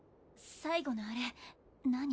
最後のあれ何？